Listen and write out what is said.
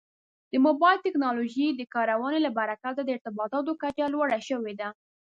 د موبایل ټکنالوژۍ د کارونې له برکته د ارتباطاتو کچه لوړه شوې ده.